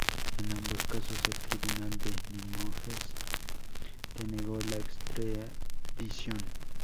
En ambos casos el tribunal de Limoges denegó la extradición.